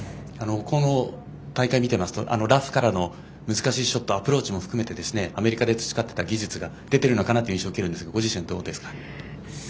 この大会見てますとラフからの難しいショットアプローチも含めてアメリカで培ってきた技術が出てるのかなという印象を受けるんですがご自身はどうですか？